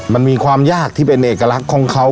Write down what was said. มันมีความยากที่เป็นเอกลักษณ์ของเขา